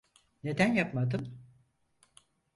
Neden yapmadın?